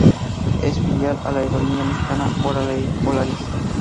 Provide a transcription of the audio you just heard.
Es filial de la aerolínea mexicana Volaris.